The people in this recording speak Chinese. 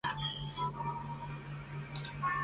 文献里常见到两种电势的多极展开方法。